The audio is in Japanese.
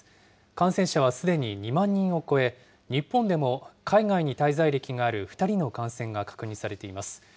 感染者はすでに２万人を超え、日本でも海外に滞在歴がある２人の感染が確認されています。